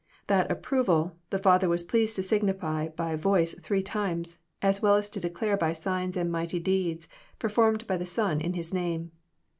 That approval the Father was pleased to signify by voice three times, as well as to declare by signs and mighty deeds, performed by the Son in His name.